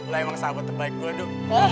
lu emang sahabat terbaik gua du